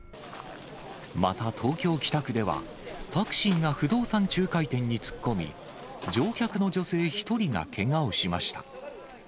また東京・北区では、タクシーが不動産仲介店に突っ込み、乗客の女性１人がけがをしました。